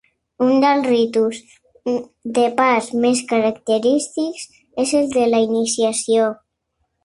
Un dels ritus de pas més característics és el de la iniciació.